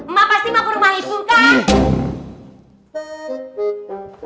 mak pasti mau ke rumah ibu kan